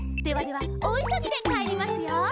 「ではではおおいそぎでかえりますよ」